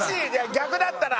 逆だったら。